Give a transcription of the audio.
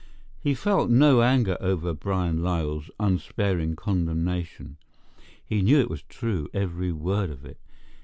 He felt no anger over Byron Lyall's unsparing condemnation. He knew it was true, every word of it.